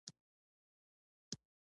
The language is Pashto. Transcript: ښایست د ګلونو په شان تازه دی